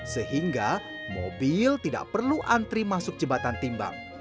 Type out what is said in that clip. sehingga mobil tidak perlu antri masuk jembatan timbang